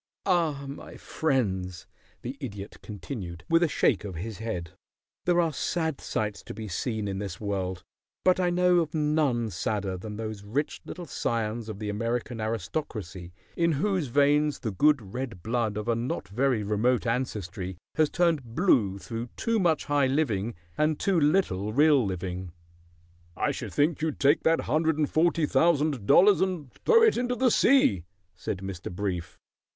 Ah, my friends," the Idiot continued, with a shake of his head, "there are sad sights to be seen in this world, but I know of none sadder than those rich little scions of the American aristocracy in whose veins the good red blood of a not very remote ancestry has turned blue through too much high living and too little real living." "I should think you'd take that hundred and forty thousand dollars and throw it into the sea," said Mr. Brief.